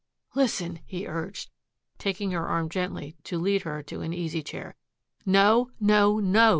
"Listen," he urged, taking her arm gently to lead her to an easy chair. "No, no, no!"